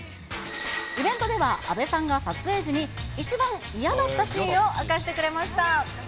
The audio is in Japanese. イベントでは、阿部さんが撮影時に一番嫌だったシーンを明かしてくれました。